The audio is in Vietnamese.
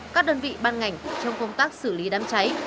các đơn vị ban ngành trong công tác xử lý đám cháy